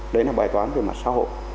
đấy là bài toán về mặt xã hội